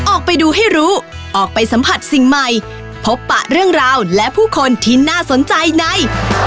ออกไปดูให้รู้ออกไปสัมผัสสิ่งใหม่พบปะเรื่องราวและผู้คนที่น่าสนใจใน